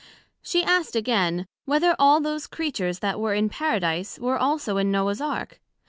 she asked again, Whether all those Creatures that were in Paradise, were also in Noah's Ark?